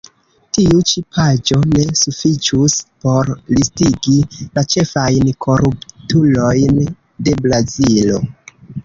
Tiu ĉi paĝo ne sufiĉus por listigi la ĉefajn koruptulojn de Brazilo.